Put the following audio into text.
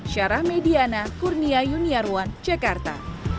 syarah mediana kurnia yuniarwan jakarta